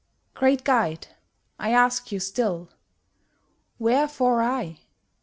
Great Guide, I ask you still, "Wherefore I?"